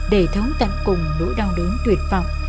để thống tận cùng nỗi đau đớn tuyệt vọng